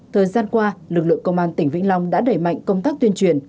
thời gian qua lực lượng công an tỉnh vĩnh long đã đẩy mạnh công tác tuyên truyền